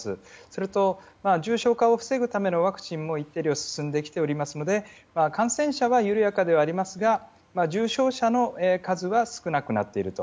それと、重症化を防ぐためのワクチンも一定量、進んできておりますので感染者は緩やかではありますが重症者の数は少なくなっている。